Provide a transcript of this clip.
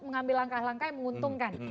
mengambil langkah langkah yang menguntungkan